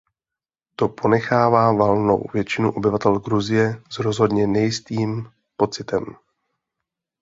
To ponechává valnou většinu obyvatel Gruzie s rozhodně nejistým pocitem.